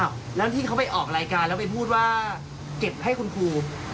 แล้วที่เขาไปออกรายการแล้วไปพูดว่าเก็บให้คุณครู